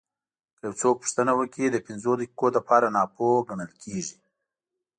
که یو څوک پوښتنه وکړي د پنځو دقیقو لپاره ناپوه ګڼل کېږي.